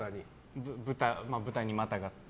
豚にまたがって。